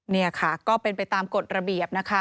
นี่ค่ะก็เป็นไปตามกฎระเบียบนะคะ